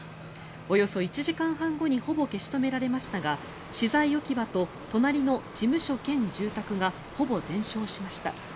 およそ１時間半後にほぼ消し止められましたが資材置き場と隣の事務所兼住宅がほぼ全焼しました。